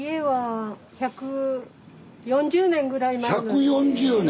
１４０年！